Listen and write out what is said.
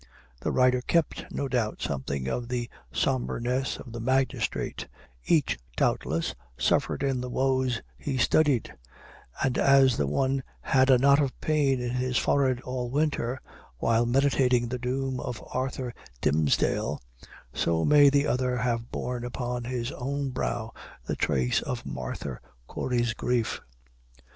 The writer kept, no doubt, something of the somberness of the magistrate; each, doubtless, suffered in the woes he studied; and as the one "had a knot of pain in his forehead all winter" while meditating the doom of Arthur Dimmesdale, so may the other have borne upon his own brow the trace of Martha Corey's grief.